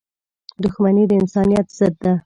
• دښمني د انسانیت ضد ده.